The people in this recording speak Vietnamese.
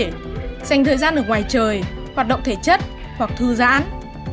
một mươi hai dành thời gian ở ngoài trời hoạt động thể chất hoặc thư giãn